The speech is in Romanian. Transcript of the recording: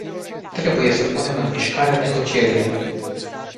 Trebuie să punem în mișcare negocierile.